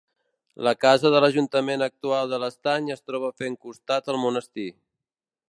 La casa de l'ajuntament actual de l'Estany es troba fent costat al monestir.